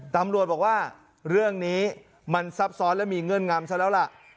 ตำรวจบอกว่าเรื่องนี้มันซับซ้อนและมีเงื่อนงำซะแล้วล่ะ